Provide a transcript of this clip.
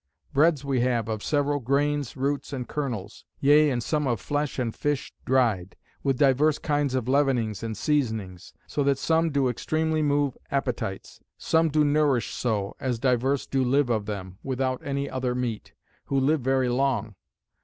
Breads we have of several grains, roots, and kernels; yea and some of flesh and fish dried; with divers kinds of leavenings and seasonings: so that some do extremely move appetites; some do nourish so, as divers do live of them, without any other meat; who live very long.